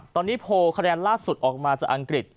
ตอนนี้โพลคะแนนล่าสุดออกมาจากอังกฤษ